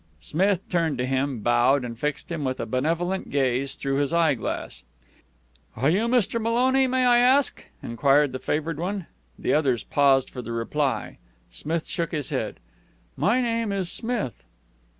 Smith turned to him, bowed, and fixed him with a benevolent gaze through his eyeglass. "Are you Mr. Maloney, may I ask?" enquired the favored one. The others paused for the reply. Smith shook his head. "My name is Smith."